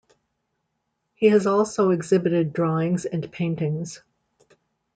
He has also exhibited drawings and paintings.